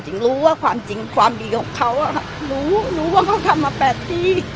รู้ว่าความจริงความดีของเขารู้รู้ว่าเขาทำมา๘ปี